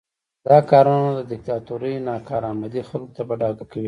دا کارونه د دیکتاتورۍ ناکارآمدي خلکو ته په ډاګه کوي.